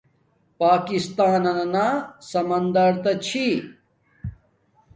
پاکستانانا سمندو تا چھی